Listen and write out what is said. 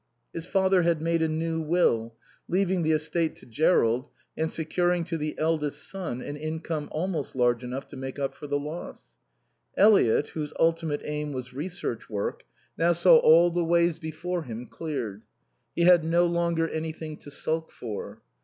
His father had made a new will, leaving the estate to Jerrold and securing to the eldest son an income almost large enough to make up for the loss. Eliot, whose ultimate aim was research work, now saw all the ways before him cleared. He had no longer anything to sulk for.